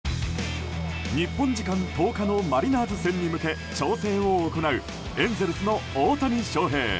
日本時間１０日のマリナーズ戦に向け調整を行うエンゼルスの大谷翔平。